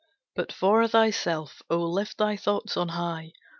But for thyself, O lift thy thoughts on high!